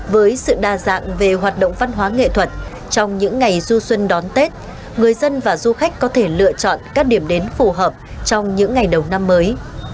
với sự đa dạng về hoạt động văn hóa nghệ thuật trong những ngày du xuân đón tết người dân và du khách có thể lựa chọn các điểm đến phù hợp trong những ngày đầu năm mới